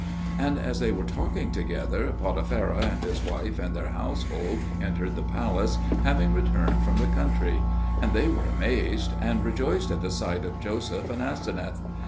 And as they were talking together, Potipherah and his wife and their household entered the palace, having returned from the country; and they were amazed, and rejoiced at the sight of Joseph and Aseneth.